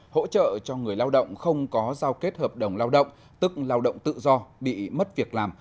hỗ trợ cho người lao động không có giao kết hợp đồng lao động tức lao động tự do bị mất việc làm